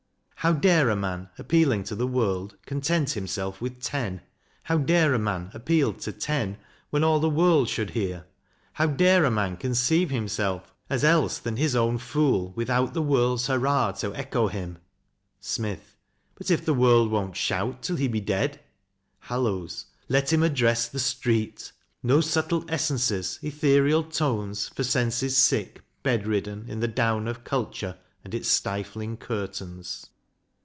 How dare a man, appealing to the world, Content himself with ten ! How dare a man Appeal to ten when all the world should hear ! How dare a man conceive himself as else Than his own fool without the world's hurrah To echo him ! SMITH. But if the world won't shout Till he be dead? HALLOWES. Let him address the street : No subtle essences, ethereal tones For senses sick, bed ridden in the down Of culture and its stifling curtains.